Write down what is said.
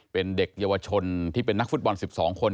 เป็นเด็กเยาวชนที่เป็นนักฟุตบอล๑๒คน